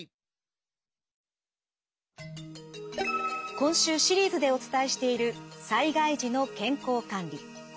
今週シリーズでお伝えしている災害時の健康管理。